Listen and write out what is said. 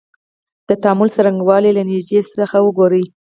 د تعامل څرنګوالی یې له نیږدې څخه وګورو.